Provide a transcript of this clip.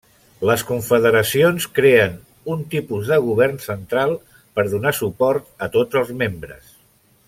Les confederacions creen un tipus de govern central per donar suport a tots els membres.